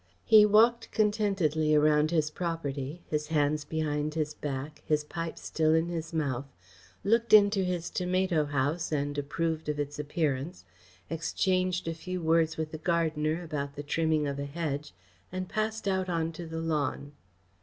He walked contentedly around his property, his hands behind his back, his pipe still in his mouth, looked into his tomato house and approved of its appearance, exchanged a few words with the gardener about the trimming of a hedge, and passed out on to the lawn.